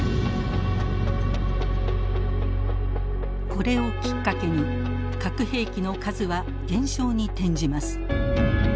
これをきっかけに核兵器の数は減少に転じます。